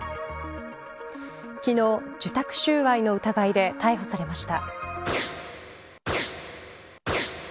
昨日、受託収賄の疑いで逮捕されました。